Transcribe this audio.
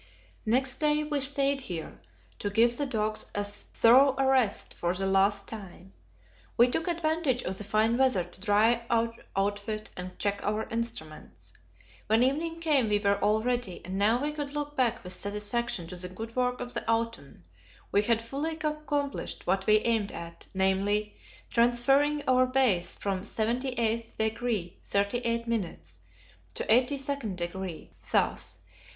Next day we stayed here to give the dogs a thorough rest for the last time. We took advantage of the fine weather to dry our outfit and check our instruments. When evening came we were all ready, and now we could look back with satisfaction to the good work of the autumn; we had fully accomplished what we aimed at namely, transferring our base from 78° 38' to 82° S.